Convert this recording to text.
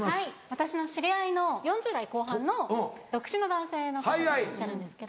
私の知り合いの４０代後半の独身の男性の方がいらっしゃるんですけど。